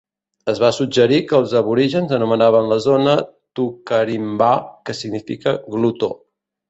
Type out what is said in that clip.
Es va suggerir que els aborígens anomenaven la zona Tuckurimbah, que significa "glotó".